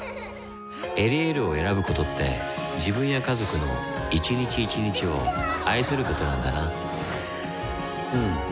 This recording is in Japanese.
「エリエール」を選ぶことって自分や家族の一日一日を愛することなんだなうん。